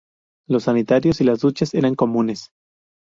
Los sanitarios y las duchas eran comunes.